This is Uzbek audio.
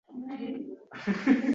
Qalbim telba-devona